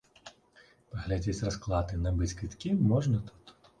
Паглядзець расклад і набыць квіткі можна тут.